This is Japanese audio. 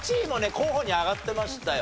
候補に挙がってましたよ。